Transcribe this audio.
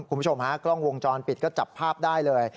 คุณผู้ชมฮะกล้องวงจรปิดก็จับภาพได้เลย